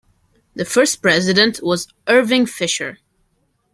The first president was Irving Fisher.